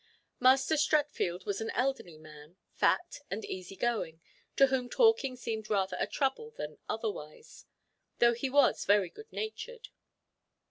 Master Streatfield was an elderly man, fat and easygoing, to whom talking seemed rather a trouble than otherwise, though he was very good natured.